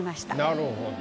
なるほど。